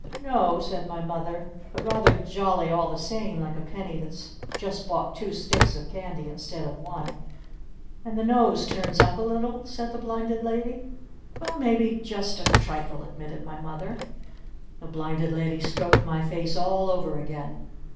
"N o," said my Mother. "But rather jolly all the same like a penny that's just bought two sticks of candy instead of one!" "And the nose turns up a little?" said the Blinded Lady. "Well maybe just a trifle," admitted my Mother. The Blinded Lady stroked my face all over again.